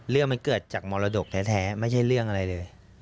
เรื่องมันเกิดจากมรดกแท้ไม่ใช่เรื่องอะไรเลย